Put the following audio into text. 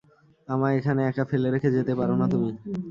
আমায় এখানে একা ফেলে রেখে যেতে পারো না তুমি।